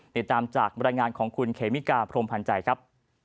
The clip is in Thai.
ติดตามจากบรรยายงานของคุณเคมิกาพรมพันธ์ใจครับ